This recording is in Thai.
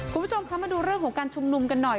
คุณผู้ชมคะมาดูเรื่องของการชุมนุมกันหน่อย